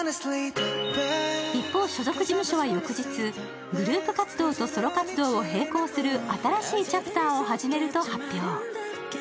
一方、所属事務所は翌日、グループ活動とソロ活動を並行する新しいチャプターを始めると発表。